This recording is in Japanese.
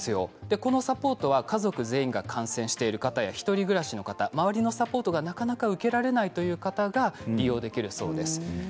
このサポートは家族全員が感染していたり１人暮らしの方周りのサポートが受けられない方に出ているそうです。